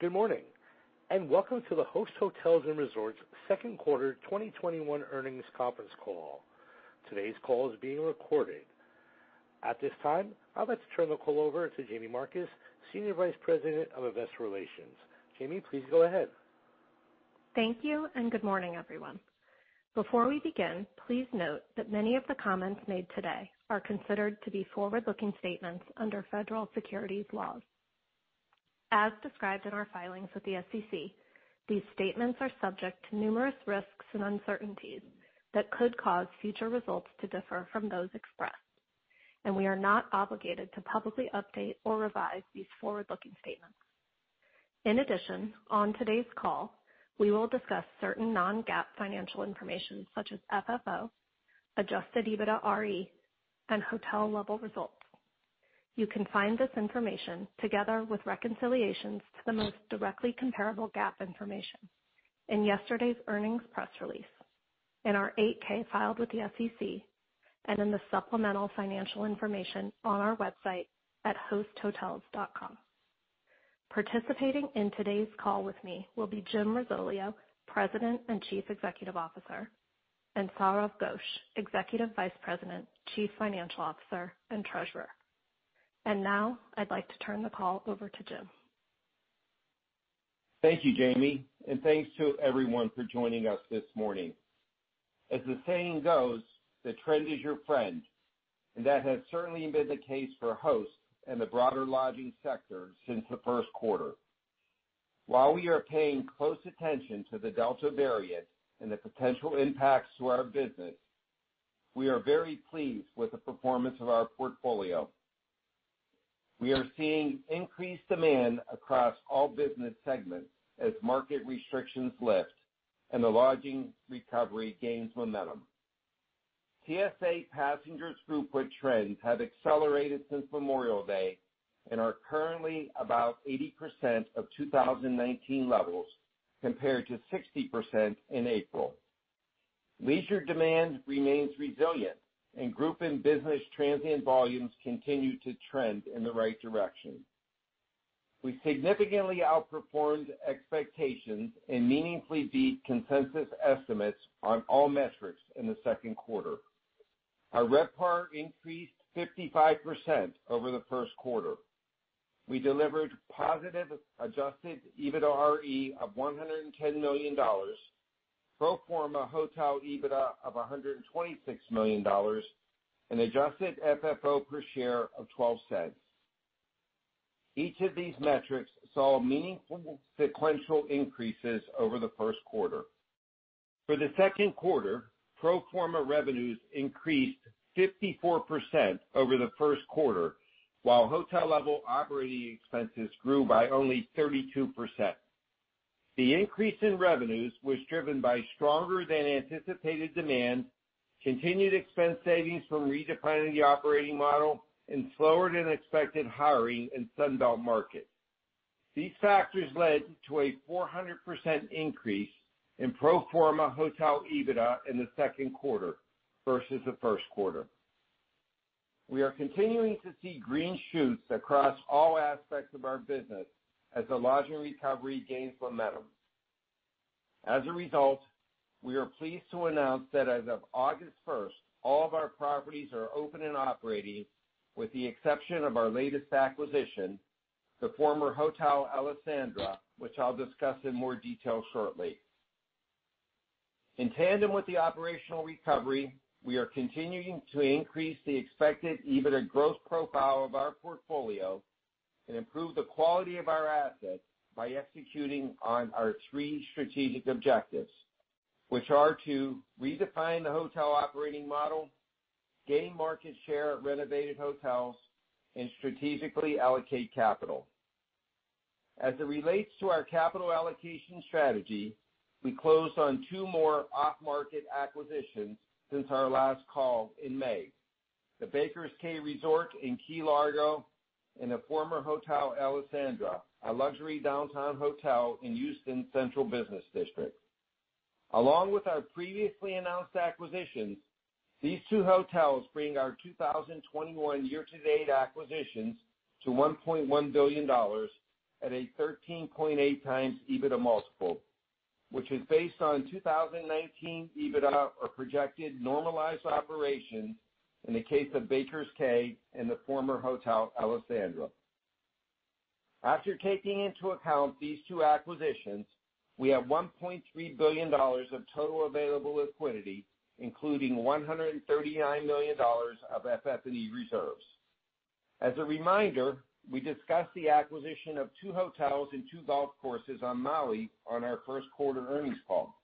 Good morning, and welcome to the Host Hotels & Resorts second quarter 2021 earnings conference call. Today's call is being recorded. At this time, I'd like to turn the call over to Jaime Marcus, Senior Vice President of Investor Relations. Jaime, please go ahead. Thank you, and good morning everyone. Before we begin, please note that many of the comments made today are considered to be forward-looking statements under federal securities laws. As described in our filings with the SEC, these statements are subject to numerous risks and uncertainties that could cause future results to differ from those expressed. We are not obligated to publicly update or revise these forward-looking statements. In addition, on today's call, we will discuss certain non-GAAP financial information such as FFO, adjusted EBITDAre, and hotel-level results. You can find this information together with reconciliations to the most directly comparable GAAP information in yesterday's earnings press release, in our 8-K filed with the SEC, and in the supplemental financial information on our website at hosthotels.com. Participating in today's call with me will be Jim Risoleo, President and Chief Executive Officer, and Sourav Ghosh, Executive Vice President, Chief Financial Officer, and Treasurer. Now, I'd like to turn the call over to James. Thank you, Jaime, and thanks to everyone for joining us this morning. As the saying goes, the trend is your friend, and that has certainly been the case for Host and the broader lodging sector since the first quarter. While we are paying close attention to the Delta variant and the potential impacts to our business, we are very pleased with the performance of our portfolio. We are seeing increased demand across all business segments as market restrictions lift and the lodging recovery gains momentum. TSA passengers throughput trends have accelerated since Memorial Day and are currently about 80% of 2019 levels, compared to 60% in April. Leisure demand remains resilient, and group and business transient volumes continue to trend in the right direction. We significantly outperformed expectations and meaningfully beat consensus estimates on all metrics in the second quarter. Our RevPAR increased 55% over the first quarter. We delivered positive adjusted EBITDAre of $110 million, pro forma hotel EBITDA of $126 million, and adjusted FFO per share of $0.12. Each of these metrics saw meaningful sequential increases over the first quarter. For the second quarter, pro forma revenues increased 54% over the first quarter, while hotel-level operating expenses grew by only 32%. The increase in revenues was driven by stronger than anticipated demand, continued expense savings from redefining the operating model, and slower than expected hiring in Sunbelt markets. These factors led to a 400% increase in pro forma hotel EBITDA in the second quarter versus the first quarter. We are continuing to see green shoots across all aspects of our business as the lodging recovery gains momentum. As a result, we are pleased to announce that as of August 1st, all of our properties are open and operating, with the exception of our latest acquisition, the former Hotel Alessandra, which I'll discuss in more detail shortly. In tandem with the operational recovery, we are continuing to increase the expected EBITDA growth profile of our portfolio and improve the quality of our assets by executing on our three strategic objectives, which are to redefine the hotel operating model, gain market share at renovated hotels, and strategically allocate capital. As it relates to our capital allocation strategy, we closed on two more off-market acquisitions since our last call in May. The Baker's Cay Resort in Key Largo and the former Hotel Alessandra, a luxury downtown hotel in Houston's central business district. Along with our previously announced acquisitions, these two hotels bring our 2021 year-to-date acquisitions to $1.1 billion at a 13.8x EBITDA multiple, which is based on 2019 EBITDA or projected normalized operations in the case of Baker's Cay and the former Hotel Alessandra. After taking into account these two acquisitions, we have $1.3 billion of total available liquidity, including $139 million of FF&E reserves. As a reminder, we discussed the acquisition of two hotels and two golf courses on Maui on our first quarter earnings call.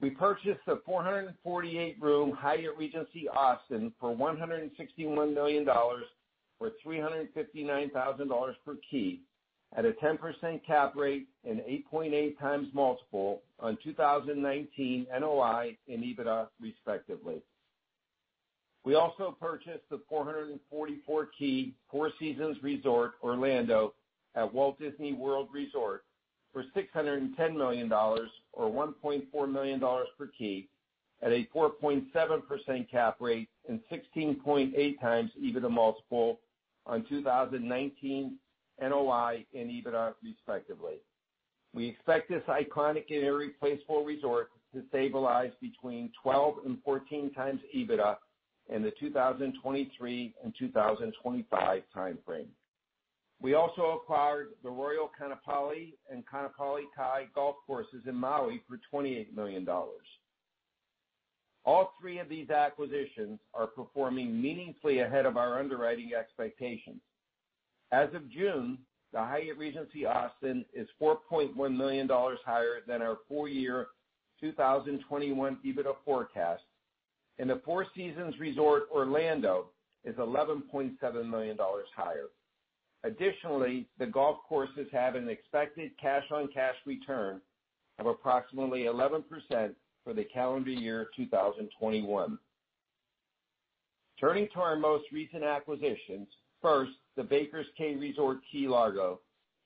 We purchased the 448-room Hyatt Regency Austin for $161 million, or $359,000 per key, at a 10% cap rate and 8.8x multiple on 2019 NOI and EBITDA, respectively. We also purchased the 444-key Four Seasons Resort Orlando at Walt Disney World Resort for $610 million, or $1.4 million per key at a 4.7% cap rate and 16.8x EBITDA multiple on 2019 NOI and EBITDA, respectively. We expect this iconic and irreplaceable resort to stabilize between 12 and 14x EBITDA in the 2023 and 2025 timeframe. We also acquired the Royal Ka'anapali and Ka'anapali Kai golf courses in Maui for $28 million. All three of these acquisitions are performing meaningfully ahead of our underwriting expectations. As of June, the Hyatt Regency Austin is $4.1 million higher than our full year 2021 EBITDA forecast, and the Four Seasons Resort Orlando is $11.7 million higher. Additionally, the golf courses have an expected cash-on-cash return of approximately 11% for the calendar year 2021. Turning to our most recent acquisitions. First, the Baker's Cay Resort Key Largo,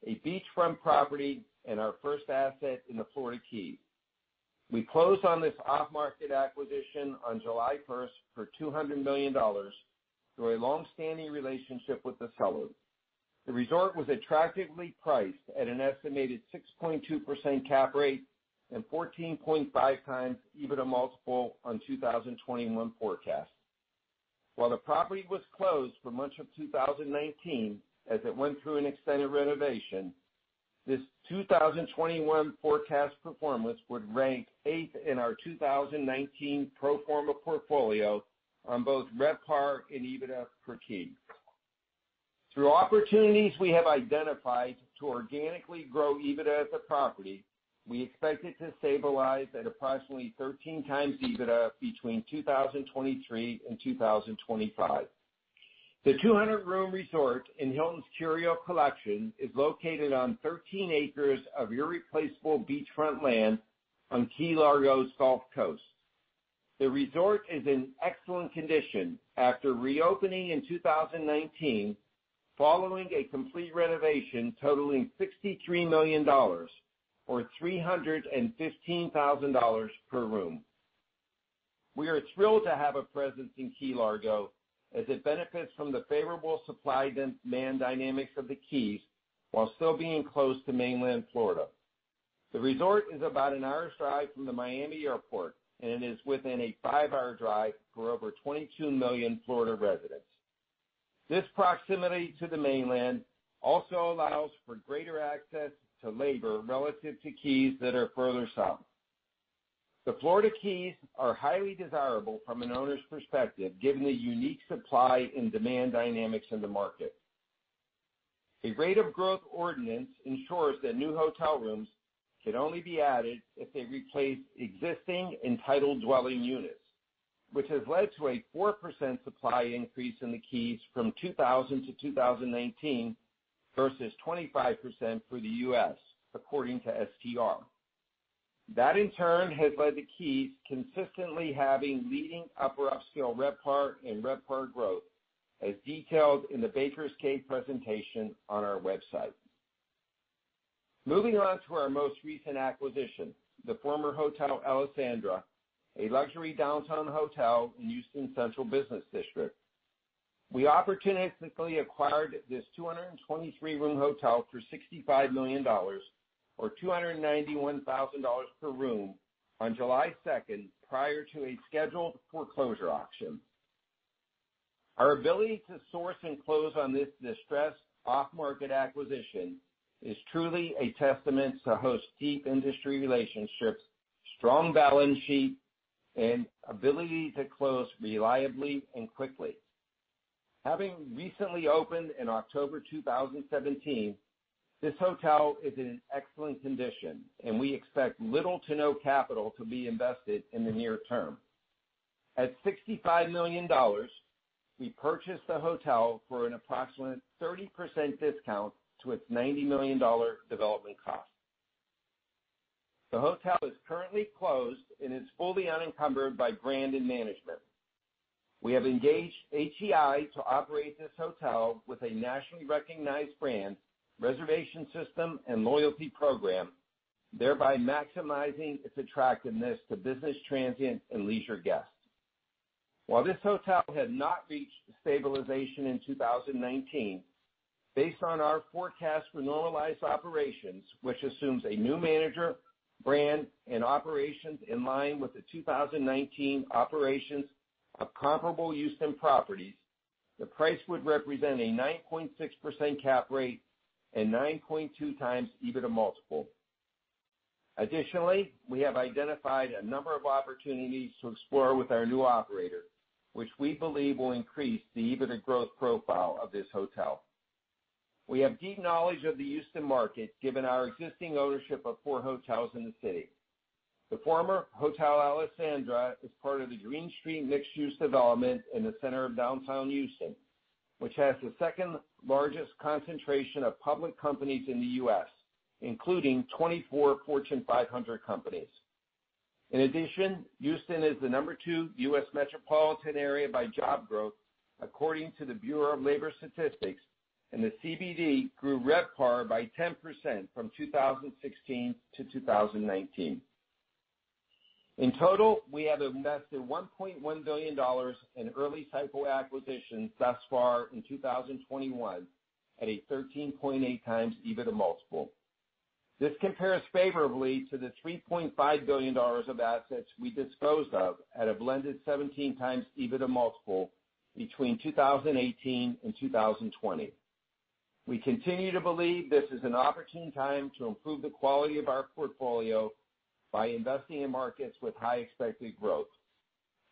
a beachfront property and our first asset in the Florida Keys. We closed on this off-market acquisition on July 1st for $200 million through a longstanding relationship with the sellers. The resort was attractively priced at an estimated 6.2% cap rate and 14.5x EBITDA multiple on 2021 forecast. While the property was closed for much of 2019, as it went through an extended renovation, this 2021 forecast performance would rank eighth in our 2019 pro forma portfolio on both RevPAR and EBITDA per key. Through opportunities we have identified to organically grow EBITDA as a property, we expect it to stabilize at approximately 13x EBITDA between 2023 and 2025. The 200-room resort in Hilton's Curio Collection is located on 13 acres of irreplaceable beachfront land on Key Largo's Gulf Coast. The resort is in excellent condition after reopening in 2019, following a complete renovation totaling $63 million or $315,000 per room. We are thrilled to have a presence in Key Largo as it benefits from the favorable supply, demand dynamics of the Keys while still being close to mainland Florida. The resort is about an hour's drive from the Miami Airport and is within a five-hour drive for over 22 million Florida residents. This proximity to the mainland also allows for greater access to labor relative to Keys that are further south. The Florida Keys are highly desirable from an owner's perspective given the unique supply and demand dynamics in the market. A rate of growth ordinance ensures that new hotel rooms can only be added if they replace existing entitled dwelling units, which has led to a 4% supply increase in the Keys from 2000 to 2019 versus 25% for the U.S., according to STR. That in turn has led the Keys consistently having leading upper upscale RevPAR and RevPAR growth, as detailed in the Baker's Cay presentation on our website. Moving on to our most recent acquisition, the former Hotel Alessandra, a luxury downtown hotel in Houston's central business district. We opportunistically acquired this 223-room hotel for $65 million, or $291,000 per room on July 2nd, prior to a scheduled foreclosure auction. Our ability to source and close on this distressed off-market acquisition is truly a testament to Host's deep industry relationships, strong balance sheet, and ability to close reliably and quickly. Having recently opened in October 2017, this hotel is in excellent condition, and we expect little to no capital to be invested in the near term. At $65 million, we purchased the hotel for an approximate 30% discount to its $90 million development cost. The hotel is currently closed and is fully unencumbered by brand and management. We have engaged HEI to operate this hotel with a nationally recognized brand, reservation system, and loyalty program, thereby maximizing its attractiveness to business transient and leisure guests. While this hotel had not reached stabilization in 2019, based on our forecast for normalized operations, which assumes a new manager, brand, and operations in line with the 2019 operations of comparable Houston properties, the price would represent a 9.6% cap rate and 9.2x EBITDA multiple. We have identified a number of opportunities to explore with our new operator, which we believe will increase the EBITDA growth profile of this hotel. We have deep knowledge of the Houston market given our existing ownership of four hotels in the city. The former Hotel Alessandra is part of the Green Street mixed-use development in the center of downtown Houston, which has the second-largest concentration of public companies in the U.S., including 24 Fortune 500 companies. In addition, Houston is the number two U.S. metropolitan area by job growth, according to the Bureau of Labor Statistics, and the CBD grew RevPAR by 10% from 2016 to 2019. In total, we have invested $1.1 billion in early cycle acquisitions thus far in 2021 at a 13.8x EBITDA multiple. This compares favorably to the $3.5 billion of assets we disposed of at a blended 17x EBITDA multiple between 2018 and 2020. We continue to believe this is an opportune time to improve the quality of our portfolio by investing in markets with high expected growth.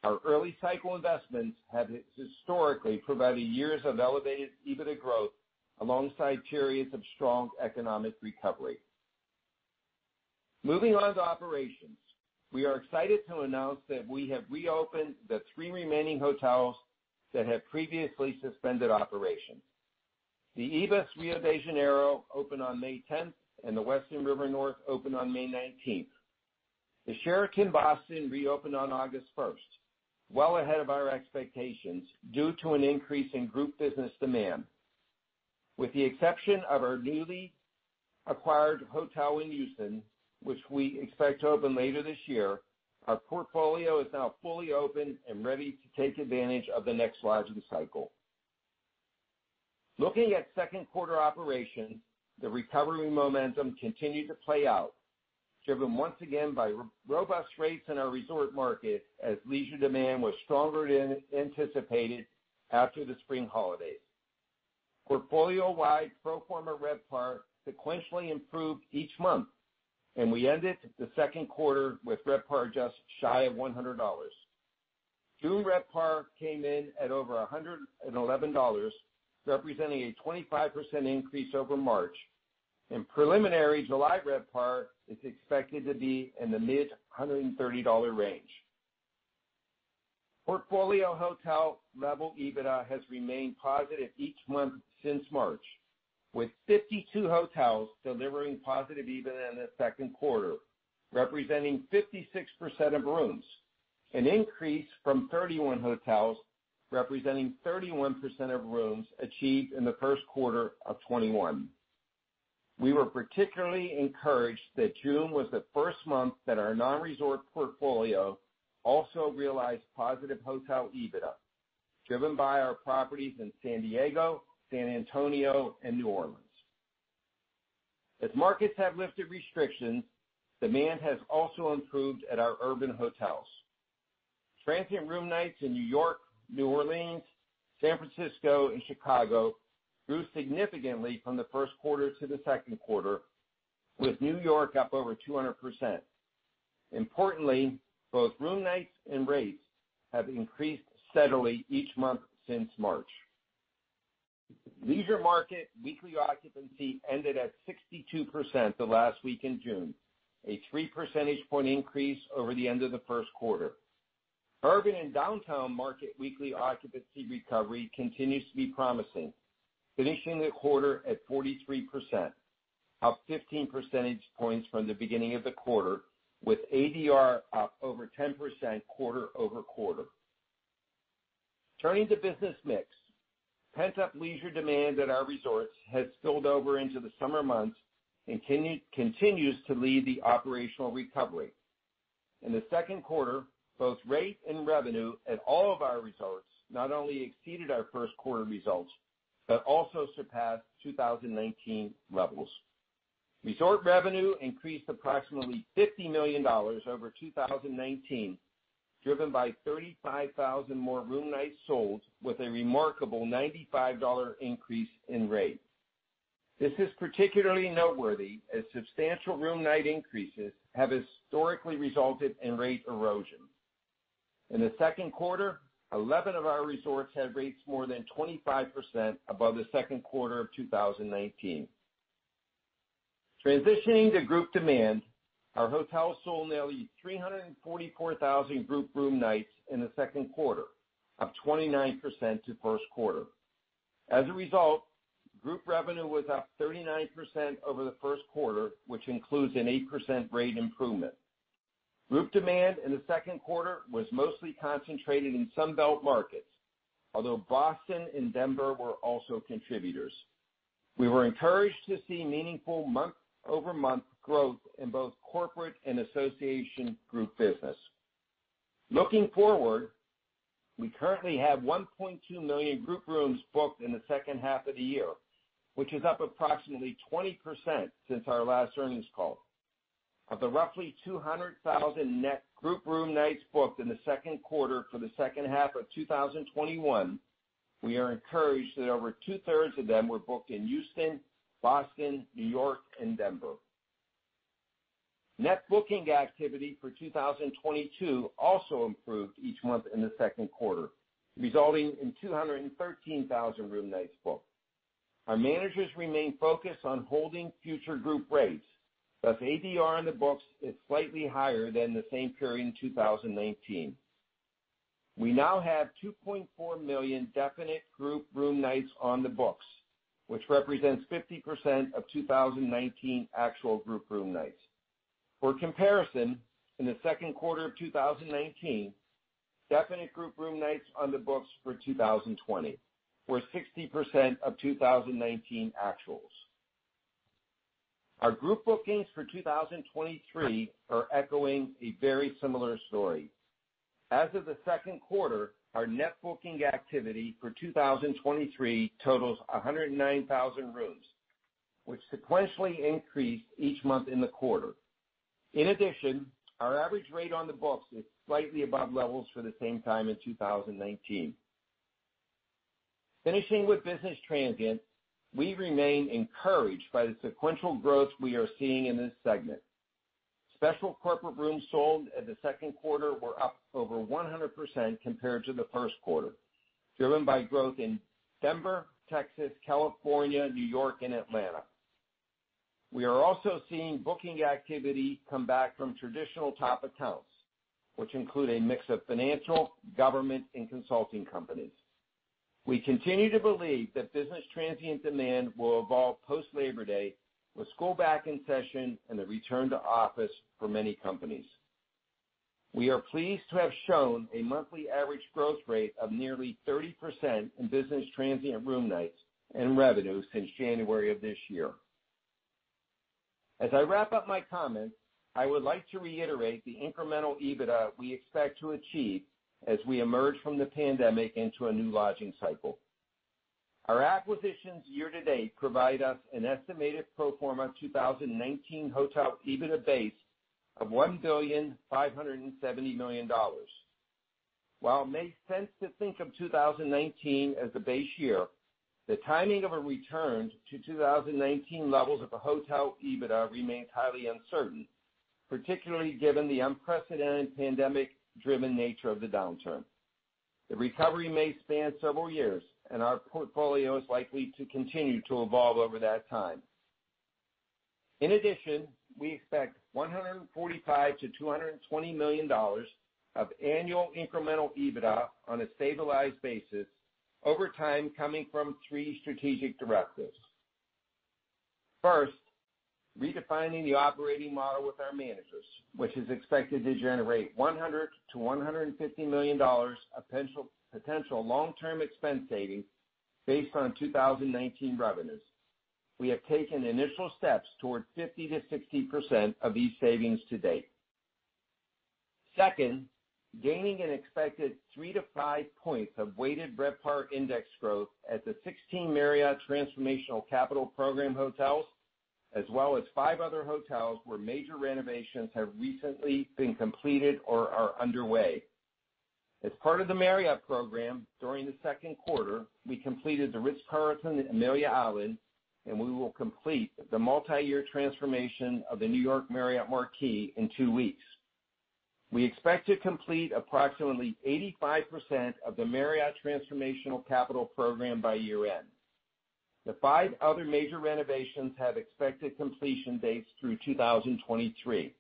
Our early cycle investments have historically provided years of elevated EBITDA growth alongside periods of strong economic recovery. Moving on to operations, we are excited to announce that we have reopened the three remaining hotels that had previously suspended operation. The ibis Rio de Janeiro opened on May 10th, and the Westin River North opened on May 19th. The Sheraton Boston reopened on August 1st, well ahead of our expectations due to an increase in group business demand. With the exception of our newly acquired hotel in Houston, which we expect to open later this year, our portfolio is now fully open and ready to take advantage of the next lodging cycle. Looking at second quarter operations, the recovery momentum continued to play out, driven once again by robust rates in our resort market as leisure demand was stronger than anticipated after the spring holidays. Portfolio-wide pro forma RevPAR sequentially improved each month, and we ended the second quarter with RevPAR just shy of $100. June RevPAR came in at over $111, representing a 25% increase over March, and preliminary July RevPAR is expected to be in the mid-$130 range. Portfolio hotel level EBITDA has remained positive each month since March, with 52 hotels delivering positive EBITDA in the second quarter, representing 56% of rooms, an increase from 31 hotels representing 31% of rooms achieved in the first quarter of 2021. We were particularly encouraged that June was the first month that our non-resort portfolio also realized positive hotel EBITDA, driven by our properties in San Diego, San Antonio, and New Orleans. As markets have lifted restrictions, demand has also improved at our urban hotels. Transient room nights in New York, New Orleans, San Francisco, and Chicago grew significantly from the first quarter to the second quarter, with New York up over 200%. Importantly, both room nights and rates have increased steadily each month since March. Leisure market weekly occupancy ended at 62% the last week in June, a 3-percentage-point increase over the end of the first quarter. Urban and downtown market weekly occupancy recovery continues to be promising, finishing the quarter at 43%, up 15 percentage points from the beginning of the quarter, with ADR up over 10% quarter-over-quarter. Turning to business mix, pent-up leisure demand at our resorts has spilled over into the summer months and continues to lead the operational recovery. In the second quarter, both rate and revenue at all of our resorts not only exceeded our first quarter results, but also surpassed 2019 levels. Resort revenue increased approximately $50 million over 2019, driven by 35,000 more room nights sold with a remarkable $95 increase in rate. This is particularly noteworthy as substantial room night increases have historically resulted in rate erosion. In the second quarter, 11 of our resorts had rates more than 25% above the second quarter of 2019. Transitioning to group demand, our hotels sold nearly 344,000 group room nights in the second quarter, up 29% to first quarter. As a result, group revenue was up 39% over the first quarter, which includes an 8% rate improvement. Group demand in the second quarter was mostly concentrated in Sunbelt markets, although Boston and Denver were also contributors. We were encouraged to see meaningful month-over-month growth in both corporate and association group business. Looking forward, we currently have 1.2 million group rooms booked in the second half of the year, which is up approximately 20% since our last earnings call. Of the roughly 200,000 net group room nights booked in the second quarter for the second half of 2021, we are encouraged that over two-thirds of them were booked in Houston, Boston, New York, and Denver. Net booking activity for 2022 also improved each month in the second quarter, resulting in 213,000 room nights booked. Our managers remain focused on holding future group rates, thus ADR in the books is slightly higher than the same period in 2019. We now have 2.4 million definite group room nights on the books, which represents 50% of 2019 actual group room nights. For comparison, in the second quarter of 2019. Definite group room nights on the books for 2020 were 60% of 2019 actuals. Our group bookings for 2023 are echoing a very similar story. As of the second quarter, our net booking activity for 2023 totals 109,000 rooms, which sequentially increased each month in the quarter. In addition, our average rate on the books is slightly above levels for the same time in 2019. Finishing with business transient, we remain encouraged by the sequential growth we are seeing in this segment. Special corporate rooms sold in the second quarter were up over 100% compared to the first quarter, driven by growth in Denver, Texas, California, New York, and Atlanta. We are also seeing booking activity come back from traditional top accounts, which include a mix of financial, government, and consulting companies. We continue to believe that business transient demand will evolve post-Labor Day with school back in session and a return to office for many companies. We are pleased to have shown a monthly average growth rate of nearly 30% in business transient room nights and revenues since January of this year. As I wrap up my comments, I would like to reiterate the incremental EBITDA we expect to achieve as we emerge from the pandemic into a new lodging cycle. Our acquisitions year-to-date provide us an estimated pro forma 2019 hotel EBITDA base of $1.57 billion. While it makes sense to think of 2019 as the base year, the timing of a return to 2019 levels of a hotel EBITDA remains highly uncertain, particularly given the unprecedented pandemic driven nature of the downturn. The recovery may span several years, and our portfolio is likely to continue to evolve over that time. In addition, we expect $145 million-$220 million of annual incremental EBITDA on a stabilized basis over time coming from three strategic directives. First, redefining the operating model with our managers, which is expected to generate $100 million-$150 million of potential long-term expense savings based on 2019 revenues. We have taken initial steps toward 50%-60% of these savings to date. Second, gaining an expected 3 to 5 points of weighted RevPAR index growth at the 16 Marriott Transformational Capital Program hotels, as well as five other hotels where major renovations have recently been completed or are underway. As part of the Marriott program, during the second quarter, we completed The Ritz-Carlton in Amelia Island, and we will complete the multiyear transformation of the New York Marriott Marquis in two weeks. We expect to complete approximately 85% of the Marriott Transformational Capital Program by year-end. The five other major renovations have expected completion dates through 2023.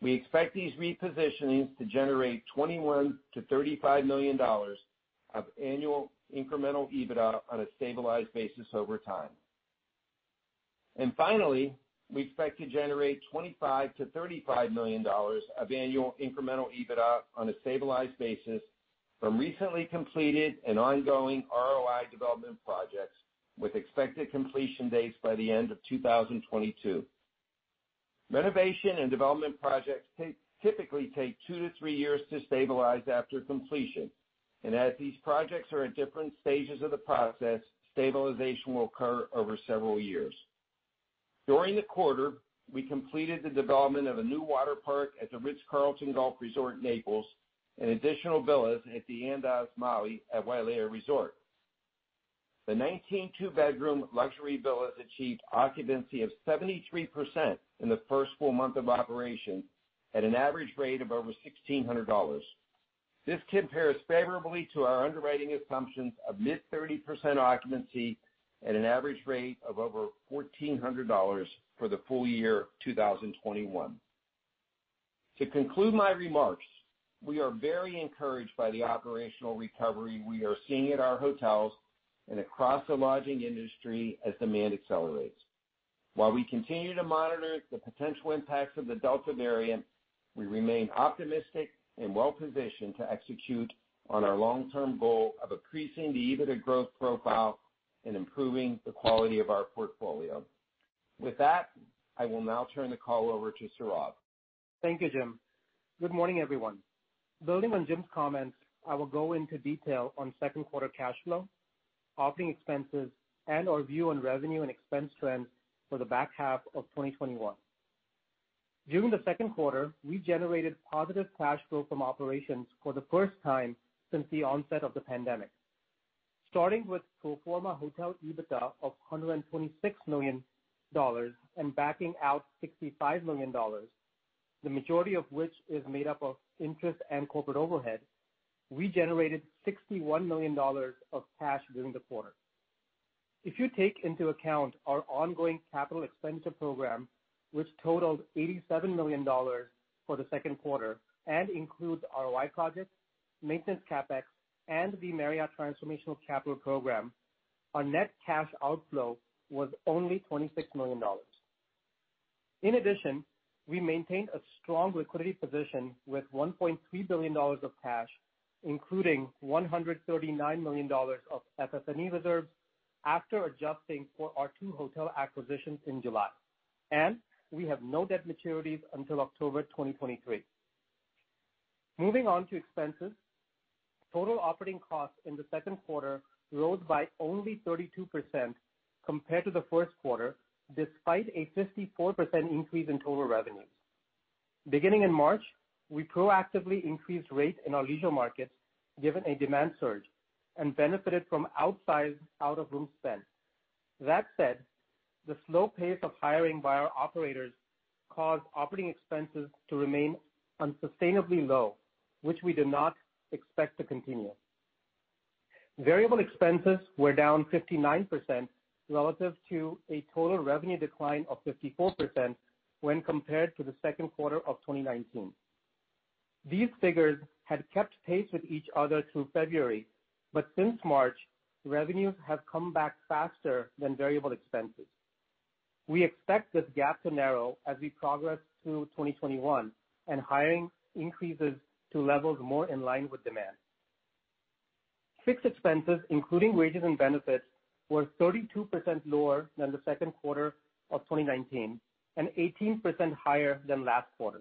We expect these repositionings to generate $21 million-$35 million of annual incremental EBITDA on a stabilized basis over time. Finally, we expect to generate $25 million-$35 million of annual incremental EBITDA on a stabilized basis from recently completed and ongoing ROI development projects with expected completion dates by the end of 2022. Renovation and development projects typically take two to three years to stabilize after completion, and as these projects are at different stages of the process, stabilization will occur over several years. During the quarter, we completed the development of a new water park at The Ritz-Carlton Golf Resort, Naples, and additional villas at the Andaz Maui at Wailea Resort. The 19 two-bedroom luxury villas achieved occupancy of 73% in the first full month of operation at an average rate of over $1,600. This compares favorably to our underwriting assumptions of mid-30% occupancy at an average rate of over $1,400 for the full year 2021. To conclude my remarks, we are very encouraged by the operational recovery we are seeing at our hotels and across the lodging industry as demand accelerates. While we continue to monitor the potential impacts of the Delta variant, we remain optimistic and well-positioned to execute on our long-term goal of increasing the EBITDA growth profile and improving the quality of our portfolio. With that, I will now turn the call over to Sourav. Thank you Jim. Good morning, everyone. Building on Jim's comments, I will go into detail on second quarter cash flow, operating expenses, and our view on revenue and expense trends for the back half of 2021. During the second quarter, we generated positive cash flow from operations for the first time since the onset of the pandemic. Starting with pro forma hotel EBITDA of $126 million and backing out $65 million, the majority of which is made up of interest and corporate overhead, we generated $61 million of cash during the quarter. If you take into account our ongoing capital expenditure program, which totaled $87 million for the second quarter and includes ROI projects, maintenance CapEx, and the Marriott Transformational Capital Program, our net cash outflow was only $26 million. In addition, we maintained a strong liquidity position with $1.3 billion of cash, including $139 million of FF&E reserves after adjusting for our two hotel acquisitions in July, and we have no debt maturities until October 2023. Moving on to expenses. Total operating costs in the second quarter rose by only 32% compared to the first quarter, despite a 54% increase in total revenues. Beginning in March, we proactively increased rates in our leisure markets given a demand surge and benefited from outsized out-of-room spend. That said, the slow pace of hiring by our operators caused operating expenses to remain unsustainably low, which we do not expect to continue. Variable expenses were down 59% relative to a total revenue decline of 54% when compared to the second quarter of 2019. These figures had kept pace with each other through February, but since March, revenues have come back faster than variable expenses. We expect this gap to narrow as we progress through 2021 and hiring increases to levels more in line with demand. Fixed expenses, including wages and benefits, were 32% lower than the second quarter of 2019, and 18% higher than last quarter.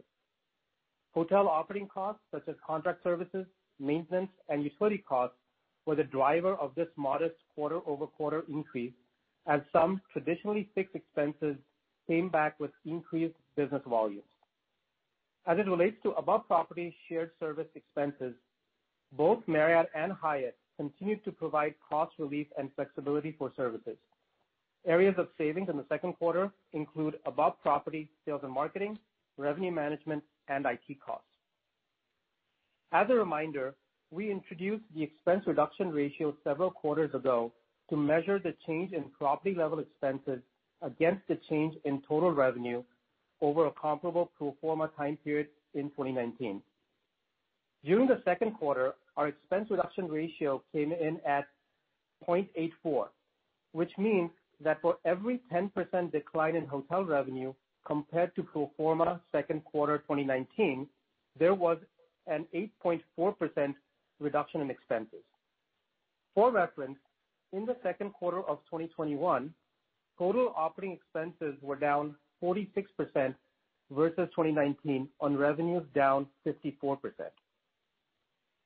Hotel operating costs, such as contract services, maintenance, and utility costs, were the driver of this modest quarter-over-quarter increase, as some traditionally fixed expenses came back with increased business volumes. As it relates to above property shared service expenses, both Marriott and Hyatt continued to provide cost relief and flexibility for services. Areas of savings in the second quarter include above property sales and marketing, revenue management, and IT costs. As a reminder, we introduced the expense reduction ratio several quarters ago to measure the change in property-level expenses against the change in total revenue over a comparable pro forma time period in 2019. During the second quarter, our expense reduction ratio came in at 0.84, which means that for every 10% decline in hotel revenue compared to pro forma second quarter 2019, there was an 8.4% reduction in expenses. For reference, in the second quarter of 2021, total operating expenses were down 46% versus 2019 on revenues down 54%.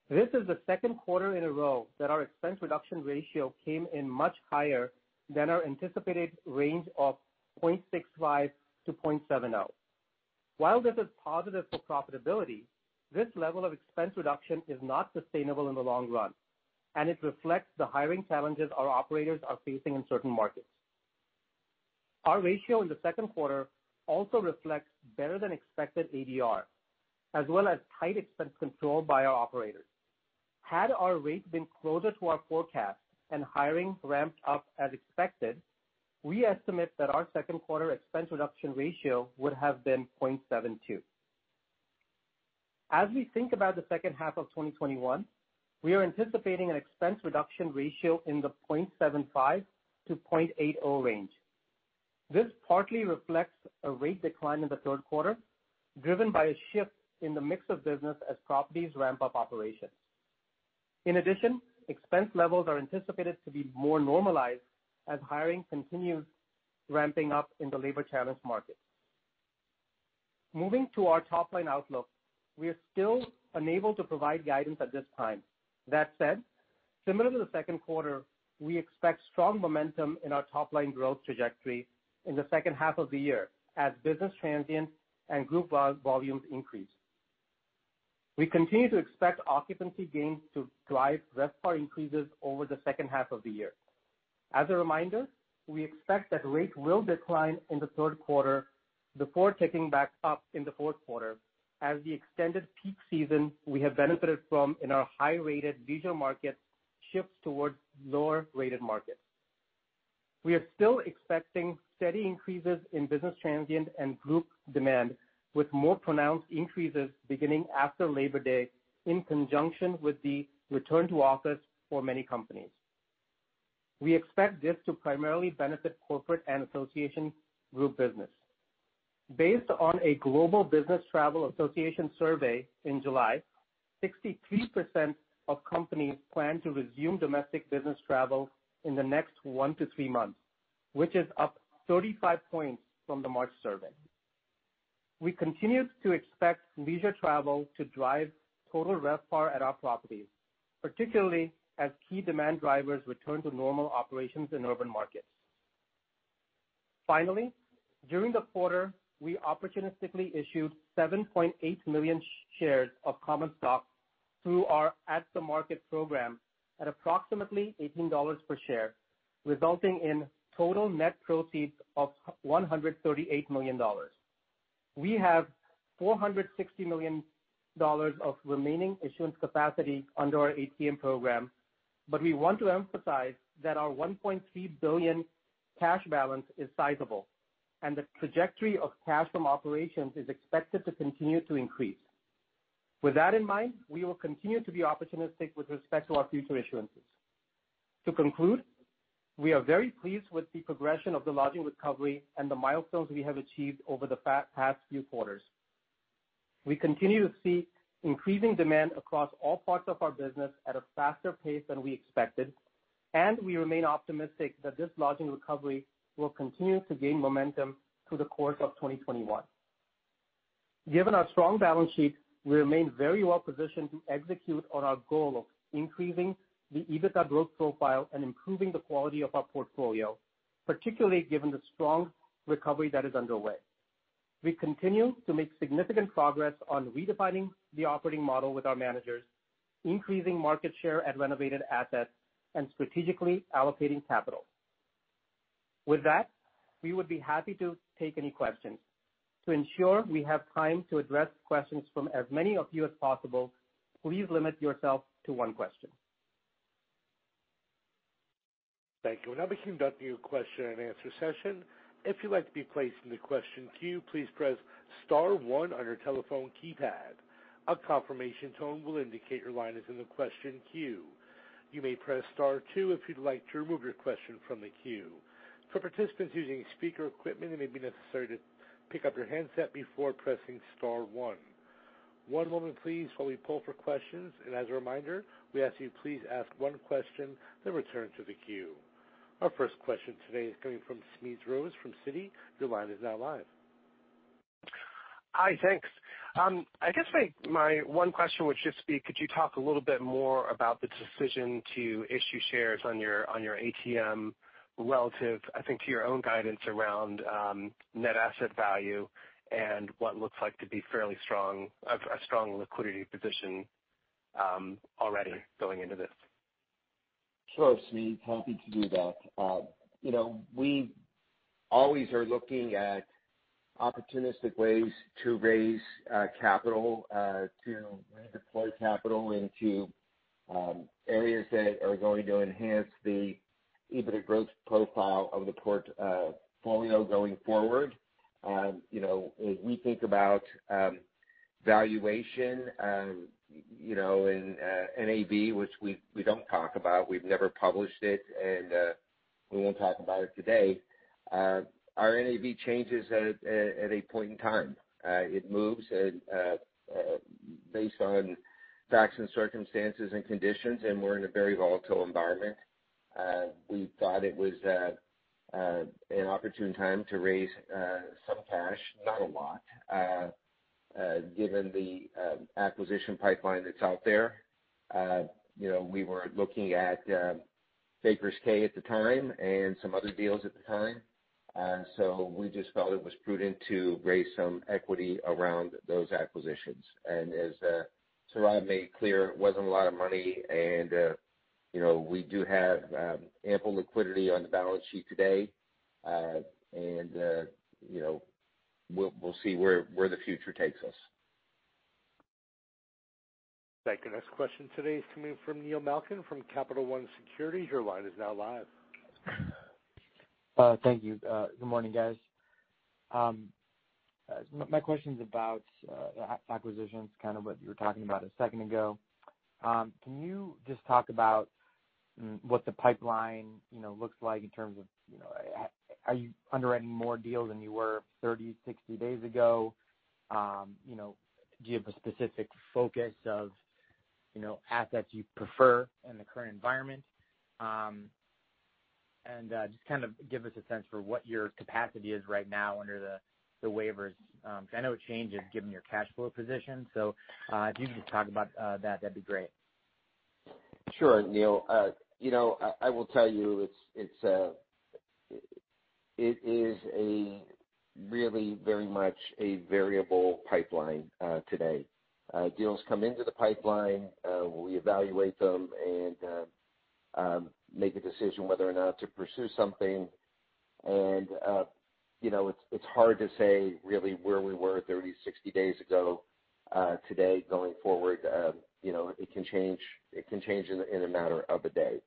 This is the second quarter in a row that our expense reduction ratio came in much higher than our anticipated range of 0.65-0.70. While this is positive for profitability, this level of expense reduction is not sustainable in the long run, and it reflects the hiring challenges our operators are facing in certain markets. Our ratio in the second quarter also reflects better-than-expected ADR, as well as tight expense control by our operators. Had our rates been closer to our forecast and hiring ramped up as expected, we estimate that our second quarter expense reduction ratio would have been 0.72. As we think about the second half of 2021, we are anticipating an expense reduction ratio in the 0.75-0.80 range. This partly reflects a rate decline in the third quarter, driven by a shift in the mix of business as properties ramp up operations. In addition, expense levels are anticipated to be more normalized as hiring continues ramping up in the labor challenged markets. Moving to our top-line outlook. We are still unable to provide guidance at this time. That said, similar to the second quarter, we expect strong momentum in our top-line growth trajectory in the second half of the year as business transient and group volumes increase. We continue to expect occupancy gains to drive RevPAR increases over the second half of the year. As a reminder, we expect that rates will decline in the third quarter before ticking back up in the fourth quarter as the extended peak season we have benefited from in our high-rated leisure markets shifts towards lower-rated markets. We are still expecting steady increases in business transient and group demand, with more pronounced increases beginning after Labor Day in conjunction with the return to office for many companies. We expect this to primarily benefit corporate and association group business. Based on a Global Business Travel Association survey in July, 63% of companies plan to resume domestic business travel in the next one to three months, which is up 35 points from the March survey. We continue to expect leisure travel to drive total RevPAR at our properties, particularly as key demand drivers return to normal operations in urban markets. Finally, during the quarter, we opportunistically issued 7.8 million shares of common stock through our at the market program at approximately $18 per share, resulting in total net proceeds of $138 million. We have $460 million of remaining issuance capacity under our ATM program, but we want to emphasize that our $1.3 billion cash balance is sizable, and the trajectory of cash from operations is expected to continue to increase. With that in mind, we will continue to be opportunistic with respect to our future issuances. To conclude, we are very pleased with the progression of the lodging recovery and the milestones we have achieved over the past few quarters. We continue to see increasing demand across all parts of our business at a faster pace than we expected, and we remain optimistic that this lodging recovery will continue to gain momentum through the course of 2021. Given our strong balance sheet, we remain very well positioned to execute on our goal of increasing the EBITDA growth profile and improving the quality of our portfolio, particularly given the strong recovery that is underway. We continue to make significant progress on redefining the operating model with our managers, increasing market share and renovated assets, and strategically allocating capital. With that, we would be happy to take any questions. To ensure we have time to address questions from as many of you as possible, please limit yourself to one question. Thank you. We'll now be conducting a question-and-answer session. If you'd like to be placed in the question queue, please press star one on your telephone keypad. A confirmation tone will indicate your line is in the question queue. You may press star two if you'd like to remove your question from the queue. For participants using speaker equipment, it may be necessary to pick up your handset before pressing star one. One moment please while we pull for questions, and as a reminder, we ask you please ask one question, then return to the queue. Our first question today is coming from Smedes Rose from Citi. Your line is now live. Hi, thanks. I guess my one question would just be, could you talk a little bit more about the decision to issue shares on your ATM relative, I think, to your own guidance around net asset value and what looks like to be a fairly strong liquidity position already going into this? Sure, Smedes, happy to do that. We always are looking at opportunistic ways to raise capital, to deploy capital into areas that are going to enhance the EBITDA growth profile of the portfolio going forward. As we think about valuation and NAV, which we don't talk about, we've never published it, and we won't talk about it today. Our NAV changes at a point in time. It moves based on facts and circumstances and conditions, and we're in a very volatile environment. We thought it was an opportune time to raise some cash, not a lot, given the acquisition pipeline that's out there. We were looking at Baker's Cay at the time and some other deals at the time, and so we just felt it was prudent to raise some equity around those acquisitions. As Sourav made clear, it wasn't a lot of money and we do have ample liquidity on the balance sheet today. We'll see where the future takes us. Thank you. Next question today is coming from Neil Malkin from Capital One Securities. Your line is now live. Thank you. Good morning, guys. My question's about the acquisitions, kind of what you were talking about a second ago. Can you just talk about what the pipeline looks like in terms of, are you underwriting more deals than you were 30, 60 days ago? Do you have a specific focus of assets you prefer in the current environment? Just kind of give us a sense for what your capacity is right now under the waivers. I know it changes given your cash flow position. If you can just talk about that'd be great. Sure, Neil. I will tell you, it is a really very much a variable pipeline today. Deals come into the pipeline, we evaluate them and make a decision whether or not to pursue something. It's hard to say really where we were 30, 60 days ago today going forward. It can change in a matter of a day.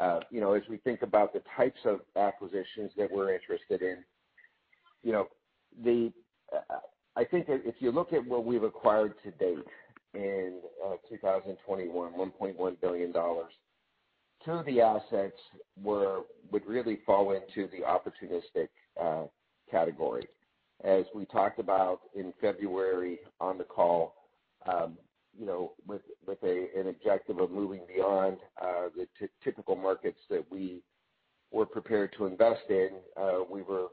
As we think about the types of acquisitions that we're interested in, I think if you look at what we've acquired to date in 2021, $1.1 billion, two of the assets would really fall into the opportunistic category. As we talked about in February on the call with an objective of moving beyond the typical markets that we were prepared to invest in, we were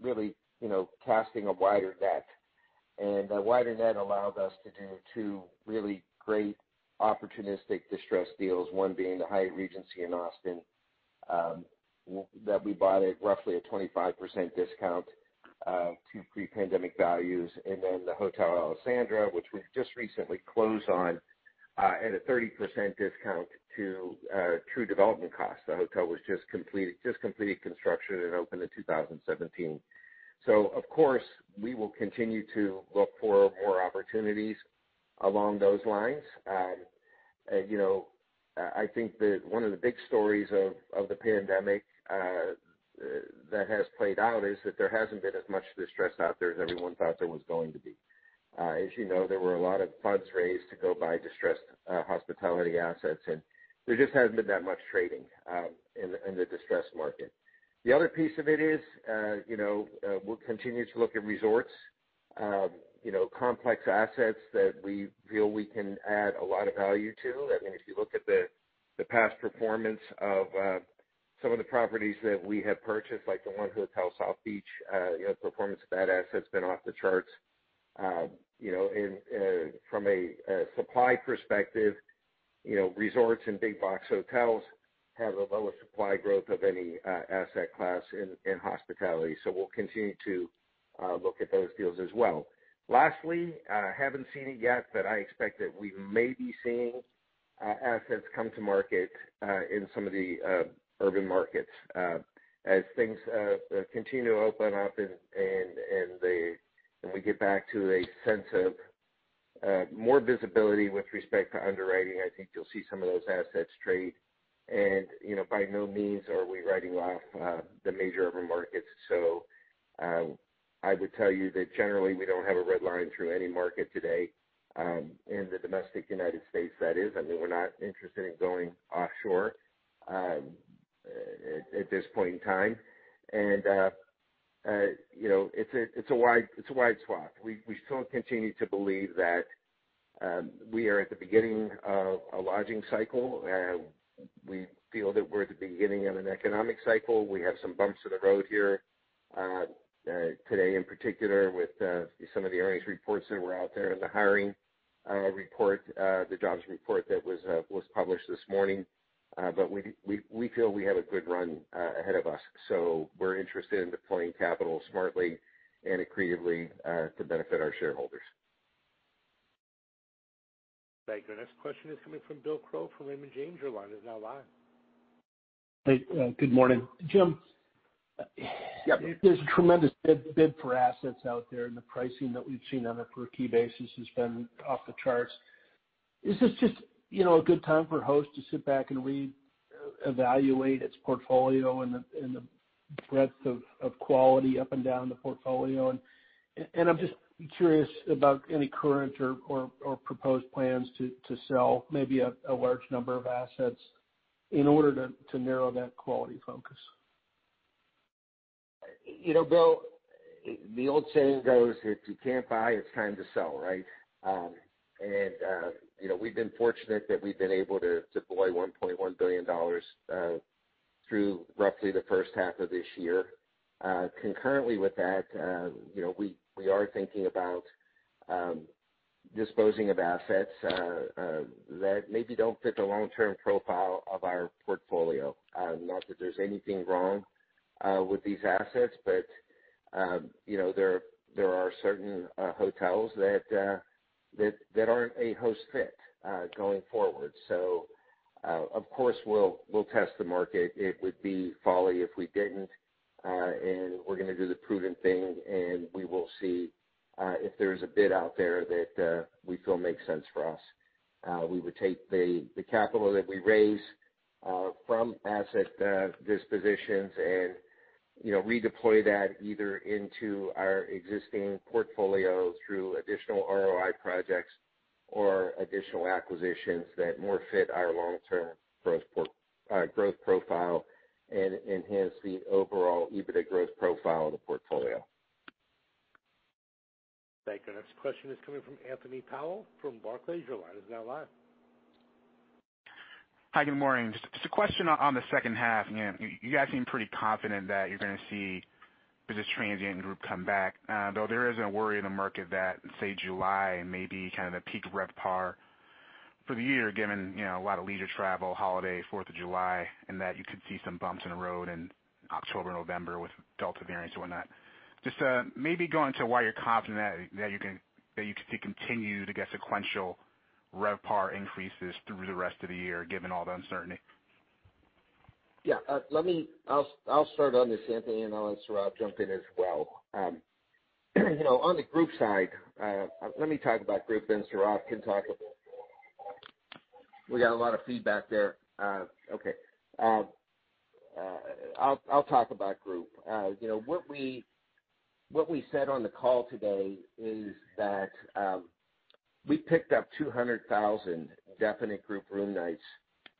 really casting a wider net. A wider net allowed us to do two really great opportunistic distressed deals, one being the Hyatt Regency in Austin, that we bought at roughly a 25% discount to pre-pandemic values, and then the Hotel Alessandra, which we've just recently closed on at a 30% discount to true development cost. The hotel was just completed construction and opened in 2017. Of course, we will continue to look for more opportunities along those lines. I think that one of the big stories of the pandemic that has played out is that there hasn't been as much distress out there as everyone thought there was going to be. As you know, there were a lot of funds raised to go buy distressed hospitality assets, and there just hasn't been that much trading in the distressed market. The other piece of it is we'll continue to look at resorts, complex assets that we feel we can add a lot of value to. If you look at the past performance of some of the properties that we have purchased, like the 1 Hotel South Beach, the performance of that asset has been off the charts. From a supply perspective, resorts and big box hotels have the lowest supply growth of any asset class in hospitality. We'll continue to look at those deals as well. Lastly, I haven't seen it yet, but I expect that we may be seeing assets come to market in some of the urban markets. As things continue to open up and we get back to a sense of more visibility with respect to underwriting, I think you'll see some of those assets trade. By no means are we writing off the major urban markets. I would tell you that generally, we don't have a red line through any market today in the domestic United States, that is. We're not interested in going offshore at this point in time. It's a wide swath. We still continue to believe that we are at the beginning of a lodging cycle. We feel that we're at the beginning of an economic cycle. We have some bumps in the road here, today in particular, with some of the earnings reports that were out there in the hiring report, the jobs report that was published this morning. We feel we have a good run ahead of us, so we're interested in deploying capital smartly and creatively to benefit our shareholders. Thank you. Our next question is coming from Bill Crow from Raymond James. Your line is now live. Hey, good morning. Jim? Yep. There's a tremendous bid for assets out there, and the pricing that we've seen on a per key basis has been off the charts. Is this just a good time for Host to sit back and reevaluate its portfolio and the breadth of quality up and down the portfolio? I'm just curious about any current or proposed plans to sell maybe a large number of assets in order to narrow that quality focus. Bill, the old saying goes, if you can't buy, it's time to sell, right? We've been fortunate that we've been able to deploy $1.1 billion through roughly the first half of this year. Concurrently with that, we are thinking about disposing of assets that maybe don't fit the long-term profile of our portfolio. Not that there's anything wrong with these assets, but there are certain hotels that aren't a Host fit going forward. Of course, we'll test the market. It would be folly if we didn't. We're going to do the prudent thing, and we will see if there is a bid out there that we feel makes sense for us. We would take the capital that we raise from asset dispositions and redeploy that either into our existing portfolio through additional ROI projects or additional acquisitions that more fit our long-term growth profile and enhance the overall EBITDA growth profile of the portfolio. Thank you. Our next question is coming from Anthony Powell from Barclays. Your line is now live. Hi, good morning. Just a question on the second half. You guys seem pretty confident that you're going to see the business transient group come back, though there is a worry in the market that, say, July may be kind of the peak RevPAR for the year, given a lot of leisure travel, holiday, 4th of July, and that you could see some bumps in the road in October, November with Delta variants and whatnot. Just maybe go into why you're confident that you can continue to get sequential RevPAR increases through the rest of the year, given all the uncertainty? Yeah. I'll start on this, Anthony, and I'll let Sourav jump in as well. On the group side, let me talk about group. We got a lot of feedback there. Okay. I'll talk about group. What we said on the call today is that we picked up 200,000 definite group room nights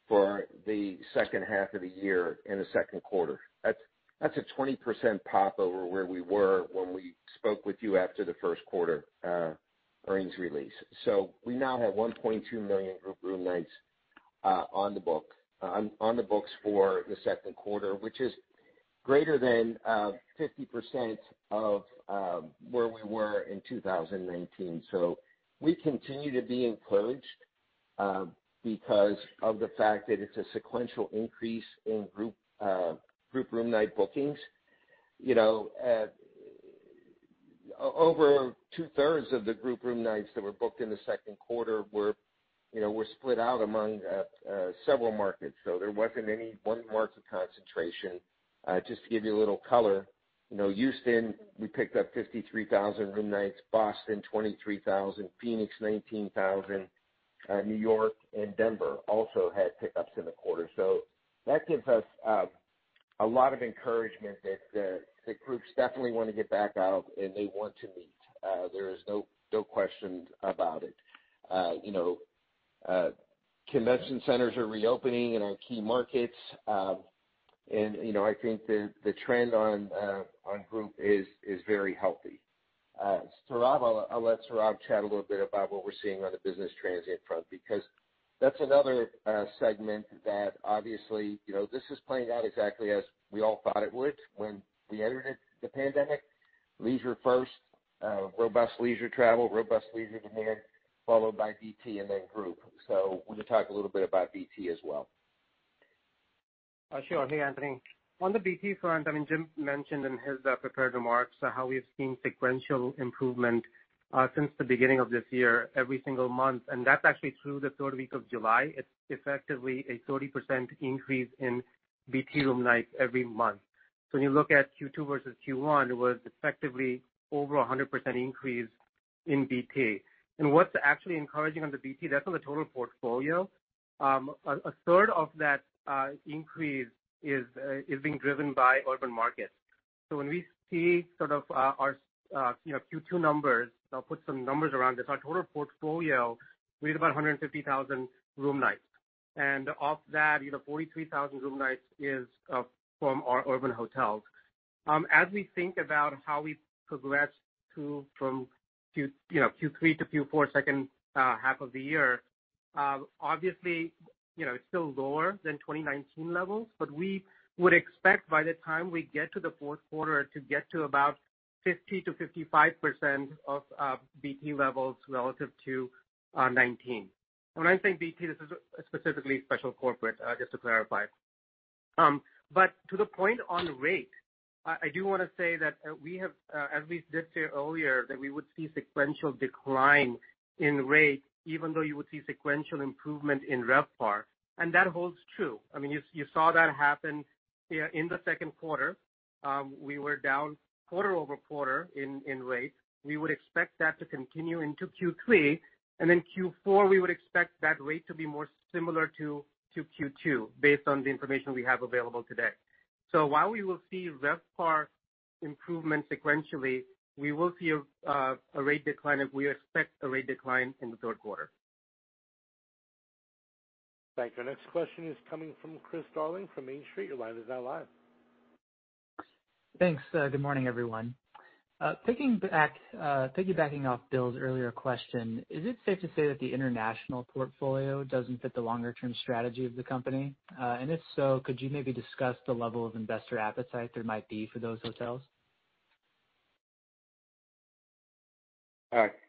for the second half of the year in the second quarter. That's a 20% pop over where we were when we spoke with you after the first quarter earnings release. We now have 1.2 million group room nights on the books for the second quarter, which is greater than 50% of where we were in 2019. We continue to be encouraged because of the fact that it's a sequential increase in group room night bookings. Over two-thirds of the group room nights that were booked in the second quarter were split out among several markets. There wasn't any one market concentration. Just to give you a little color, Houston, we picked up 53,000 room nights, Boston, 23,000, Phoenix, 19,000. New York, and Denver also had pickups in the quarter. That gives us a lot of encouragement that groups definitely want to get back out and they want to meet. There is no question about it. Convention centers are reopening in our key markets, and I think the trend on group is very healthy. I'll let Sourav chat a little bit about what we're seeing on the business transient front, because that's another segment that obviously, this is playing out exactly as we all thought it would when we entered the pandemic. Leisure first, robust leisure travel, robust leisure demand, followed by BT and then group. We'll just talk a little bit about BT as well. Sure, hi Anthony. On the BT front, Jim mentioned in his prepared remarks how we've seen sequential improvement since the beginning of this year, every single month, and that's actually through the third week of July. It's effectively a 30% increase in BT room nights every month. When you look at Q2 versus Q1, it was effectively over 100% increase in BT. What's actually encouraging on the BT, that's on the total portfolio. A third of that increase is being driven by urban markets. When we see sort of our Q2 numbers, I'll put some numbers around this. Our total portfolio, we had about 150,000 room nights, and of that, 43,000 room nights is from our urban hotels. As we think about how we progress from Q3 to Q4, second half of the year, obviously, it's still lower than 2019 levels, but we would expect by the time we get to the fourth quarter to get to about 50%-55% of BT levels relative to 2019. When I say BT, this is specifically special corporate, just to clarify. To the point on rate, I do want to say that we have, as we did say earlier, that we would see sequential decline in rate, even though you would see sequential improvement in RevPAR, and that holds true. You saw that happen in the second quarter. We were down quarter-over-quarter in rate. We would expect that to continue into Q3, and then Q4, we would expect that rate to be more similar to Q2 based on the information we have available today. While we will see RevPAR improvement sequentially, we will see a rate decline and we expect a rate decline in the third quarter. Thank you. Next question is coming from Chris Darling from Green Street. Your line is now live. Thanks. Good morning, everyone. Piggybacking off Bill's earlier question, is it safe to say that the international portfolio doesn't fit the longer-term strategy of the company? If so, could you maybe discuss the level of investor appetite there might be for those hotels?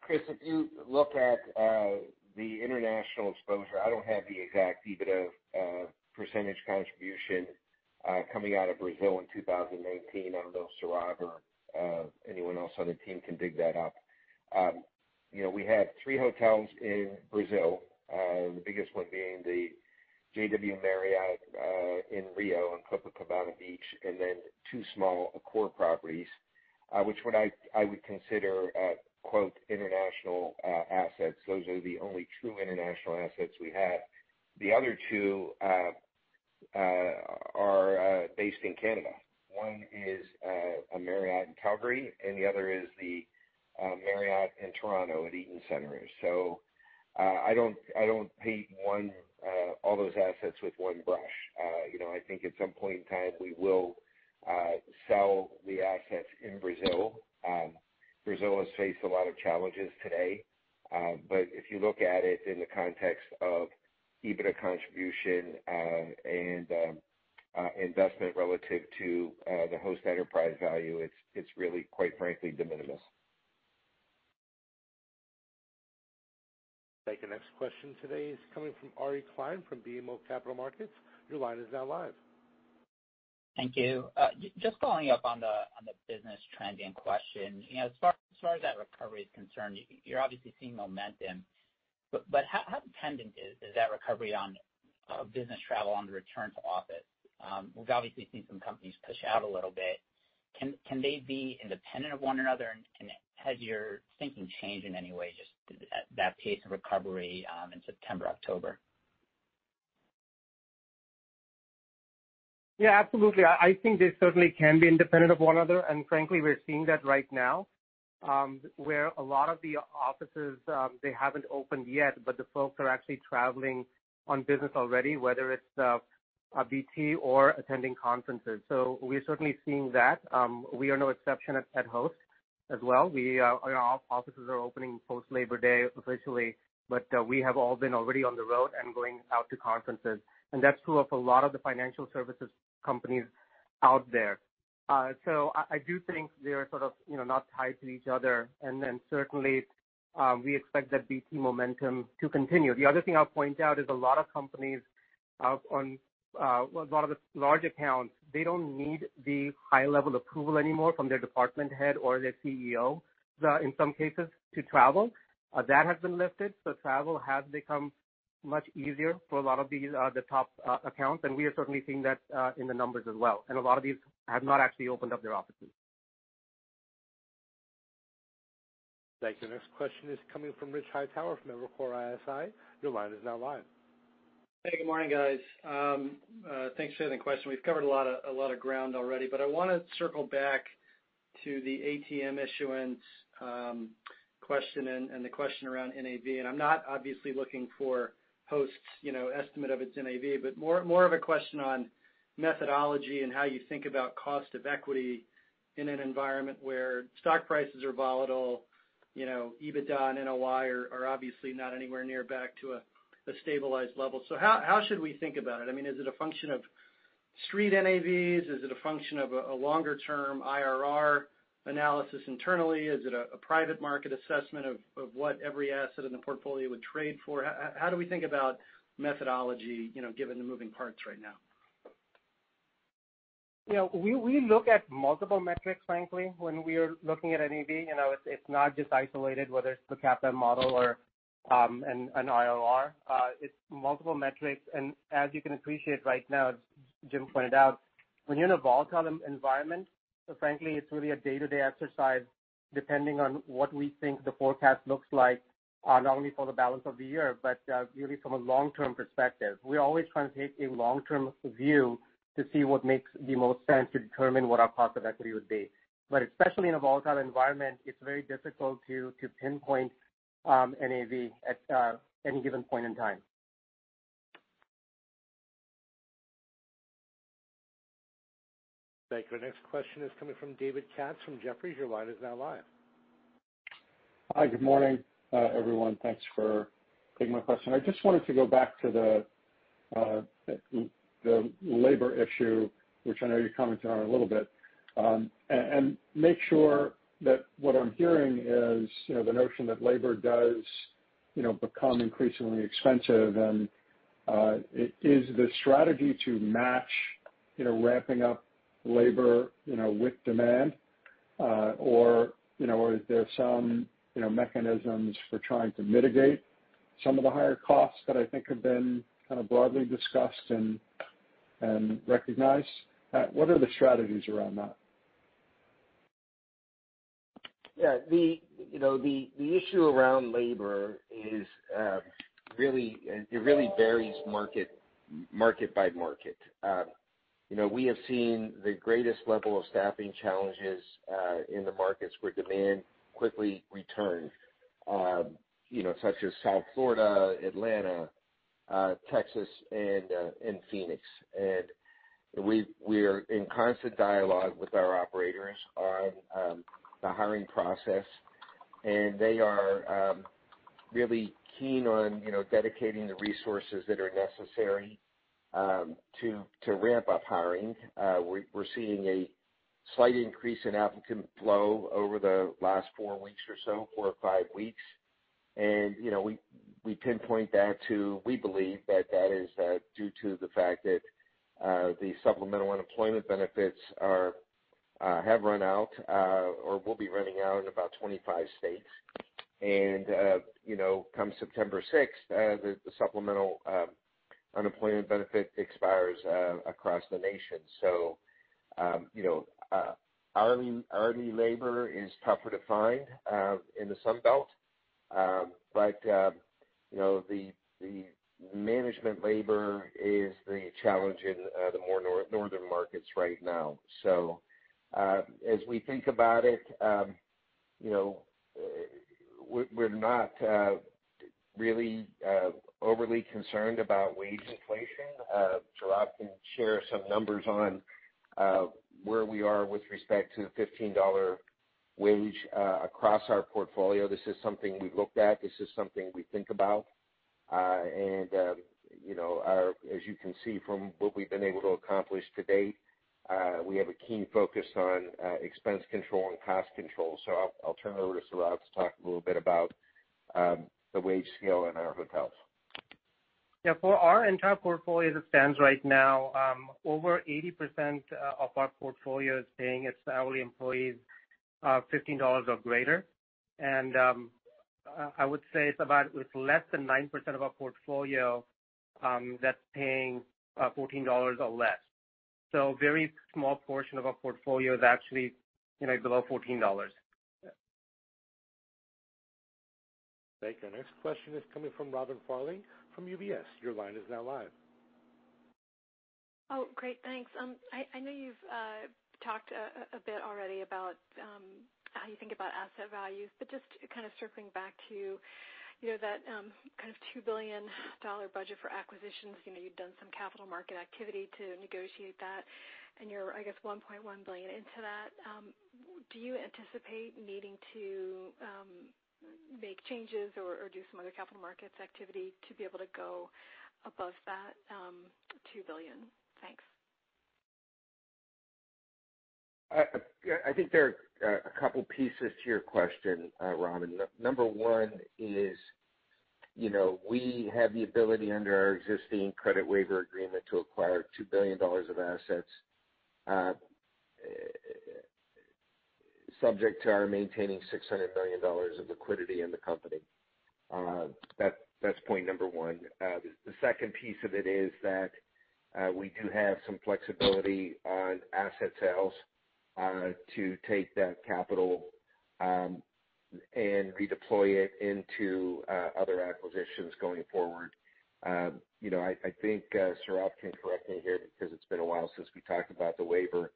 Chris, if you look at the international exposure, I don't have the exact EBITDA percentage contribution coming out of Brazil in 2019. I don't know if Sourav or anyone else on the team can dig that up. We had three hotels in Brazil, the biggest one being the JW Marriott in Rio on Copacabana Beach, and then two small Accor properties, which I would consider "international assets". Those are the only true international assets we had. The other two are based in Canada. One is a Marriott in Calgary, and the other is the Marriott in Toronto at Eaton Centre. I don't paint all those assets with one brush. I think at some point in time, we will sell the assets in Brazil. Brazil has faced a lot of challenges today. If you look at it in the context of EBITDA contribution and investment relative to the Host enterprise value, it's really, quite frankly, de minimis. Thank you. Next question today is coming from Ari Klein from BMO Capital Markets. Your line is now live. Thank you. Just following up on the business trending question. As far as that recovery is concerned, you're obviously seeing momentum, but how dependent is that recovery on business travel on the return to office? We've obviously seen some companies push out a little bit. Can they be independent of one another? Has your thinking changed in any way, just that pace of recovery in September, October? Absolutely. I think they certainly can be independent of one another, and frankly, we're seeing that right now, where a lot of the offices, they haven't opened yet, but the folks are actually traveling on business already, whether it's a BT or attending conferences. We're certainly seeing that. We are no exception at Host as well. Our offices are opening post Labor Day officially, but we have all been already on the road and going out to conferences, and that's true of a lot of the financial services companies out there. I do think they're sort of not tied to each other, and then certainly we expect that BT momentum to continue. The other thing I'll point out is a lot of companies on a lot of the large accounts, they don't need the high level approval anymore from their department head or their CEO, in some cases, to travel. That has been lifted, travel has become much easier for a lot of the top accounts, and we are certainly seeing that in the numbers as well. A lot of these have not actually opened up their offices. Thank you. Next question is coming from Rich Hightower from Evercore ISI. Your line is now live. Hey, good morning, guys. Thanks for taking the question. We've covered a lot of ground already. I want to circle back to the ATM issuance question and the question around NAV. I'm not obviously looking for Host's estimate of its NAV, but more of a question on methodology and how you think about cost of equity in an environment where stock prices are volatile, EBITDA and NOI are obviously not anywhere near back to a stabilized level. How should we think about it? Is it a function of street NAVs? Is it a function of a longer-term IRR analysis internally? Is it a private market assessment of what every asset in the portfolio would trade for? How do we think about methodology, given the moving parts right now? We look at multiple metrics, frankly, when we are looking at NAV. It's not just isolated, whether it's the CAPM or an IRR. As you can appreciate right now, as Jim pointed out, when you're in a volatile environment, frankly, it's really a day-to-day exercise depending on what we think the forecast looks like, not only for the balance of the year, but really from a long-term perspective. We always try and take a long-term view to see what makes the most sense to determine what our cost of equity would be. Especially in a volatile environment, it's very difficult to pinpoint NAV at any given point in time. Thank you. Our next question is coming from David Katz from Jefferies. Your line is now live. Hi. Good morning, everyone. Thanks for taking my question. I just wanted to go back to the labor issue, which I know you commented on a little bit, and make sure that what I'm hearing is the notion that labor does become increasingly expensive and is the strategy to match ramping up labor with demand, or are there some mechanisms for trying to mitigate some of the higher costs that I think have been kind of broadly discussed and recognized? What are the strategies around that? Yeah. The issue around labor is it really varies market by market. We have seen the greatest level of staffing challenges in the markets where demand quickly returned, such as South Florida, Atlanta, Texas, and Phoenix. We're in constant dialogue with our operators on the hiring process, and they are really keen on dedicating the resources that are necessary to ramp up hiring. We're seeing a slight increase in applicant flow over the last four weeks or so, four or five weeks, and we pinpoint that to, we believe, that is due to the fact that the supplemental unemployment benefits have run out, or will be running out in about 25 states. Come September 6th, the supplemental unemployment benefit expires across the nation. Hourly labor is tougher to find in the Sunbelt, but the management labor is the challenge in the more northern markets right now. As we think about it, we're not really overly concerned about wage inflation. Sourav can share some numbers on where we are with respect to the $15 wage across our portfolio. This is something we've looked at. This is something we think about. As you can see from what we've been able to accomplish to date, we have a keen focus on expense control and cost control. I'll turn it over to Sourav to talk a little bit about the wage scale in our hotels. For our entire portfolio as it stands right now, over 80% of our portfolio is paying its hourly employees $15 or greater. I would say it's about less than 9% of our portfolio that's paying $14 or less. A very small portion of our portfolio is actually below $14. Yeah. Thank you. Our next question is coming from Robin Farley from UBS. Your line is now live. Oh, great. Thanks. I know you've talked a bit already about how you think about asset values, but just kind of circling back to that $2 billion budget for acquisitions. You've done some capital market activity to negotiate that, and you're, I guess, $1.1 billion into that. Do you anticipate needing to make changes or do some other capital markets activity to be able to go above that $2 billion? Thanks. I think there are a couple pieces to your question, Robin. Number one is, we have the ability under our existing credit waiver agreement to acquire $2 billion of assets, subject to our maintaining $600 million of liquidity in the company. That's point number one. The second piece of it is that we do have some flexibility on asset sales to take that capital and redeploy it into other acquisitions going forward. I think, Sourav can correct me here because it's been a while since we talked about the waiver,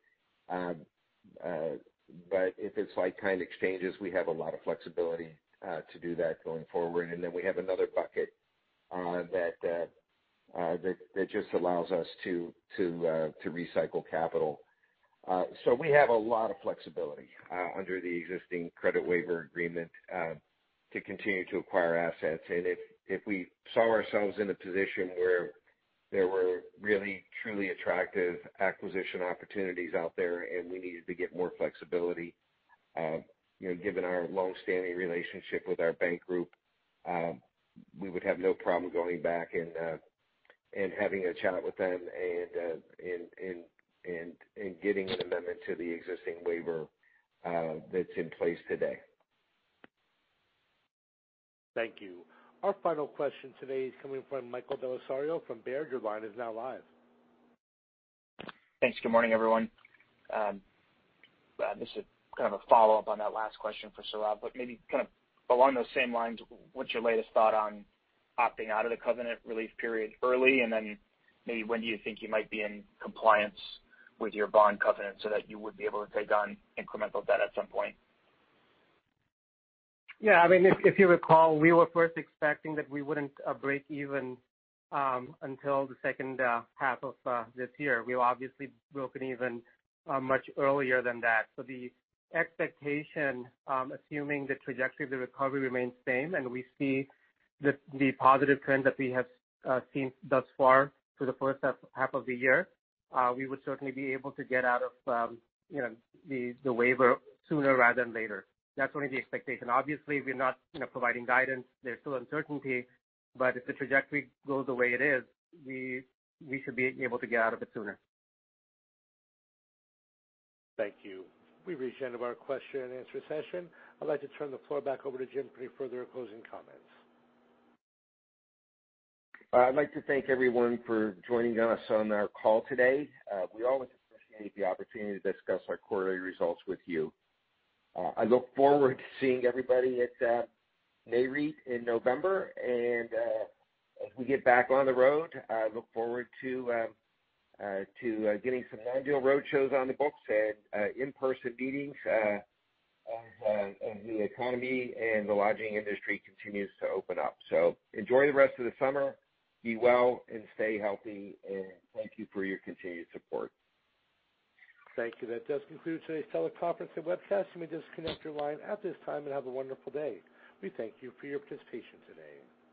but if it's like-kind exchanges, we have a lot of flexibility to do that going forward. Then we have another bucket that just allows us to recycle capital. We have a lot of flexibility under the existing credit waiver agreement to continue to acquire assets. If we saw ourselves in a position where there were really truly attractive acquisition opportunities out there, and we needed to get more flexibility, given our longstanding relationship with our bank group, we would have no problem going back and having a chat with them and getting an amendment to the existing waiver that's in place today. Thank you. Our final question today is coming from Michael Bellisario from Baird. Your line is now live. Thanks. Good morning, everyone. This is kind of a follow-up on that last question for Sourav. Maybe kind of along those same lines, what's your latest thought on opting out of the covenant relief period early? Maybe when do you think you might be in compliance with your bond covenant so that you would be able to take on incremental debt at some point? Yeah. If you recall, we were first expecting that we wouldn't break even until the second half of this year. We've obviously broken even much earlier than that. The expectation, assuming the trajectory of the recovery remains same and we see the positive trend that we have seen thus far for the first half of the year, we would certainly be able to get out of the waiver sooner rather than later. That's one of the expectations. Obviously, we're not providing guidance. There's still uncertainty, but if the trajectory goes the way it is, we should be able to get out of it sooner. Thank you. We've reached the end of our question-and-answer session. I'd like to turn the floor back over to Jim for any further closing comments. I'd like to thank everyone for joining us on our call today. We always appreciate the opportunity to discuss our quarterly results with you. I look forward to seeing everybody at Nareit in November. As we get back on the road, I look forward to getting some non-deal roadshows on the books and in-person meetings as the economy and the lodging industry continues to open up. Enjoy the rest of the summer, be well, and stay healthy, and thank you for your continued support. Thank you. That does conclude today's teleconference and webcast. You may disconnect your line at this time and have a wonderful day. We thank you for your participation today.